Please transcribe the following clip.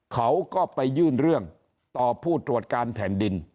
เขาก็ไปยื่นเรื่องต่อผู้ตรวจการแผ่นดิน